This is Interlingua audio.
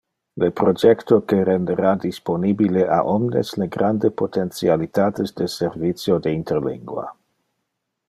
Le projecto que rendera disponibile a omnes le grande potentialitates de servicio de interlingua.